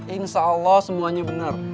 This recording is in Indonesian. insyaallah semuanya bener